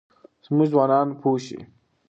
زموږ ځوانان پوه شي.